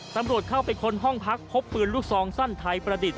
ตำรวจเข้าไปค้นห้องพักพบปืนลูกซองสั้นไทยประดิษฐ